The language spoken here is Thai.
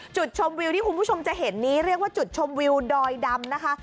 จุดชมวิวที่คุณผู้ชมจะเห็นนี้เรียกว่าจุดชมวิวดอยดำนะคะ